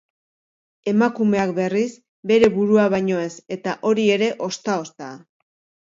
Emakumeak, berriz, bere burua baino ez, eta hori ere ozta-ozta.